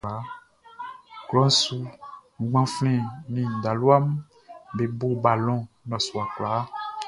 Klɔʼn su gbanflɛn nin talua mun be bo balɔn nnɔsua kwlaa.